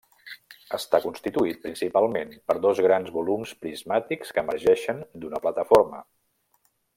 Està constituït, principalment, per dos grans volums prismàtics que emergeixen d'una plataforma.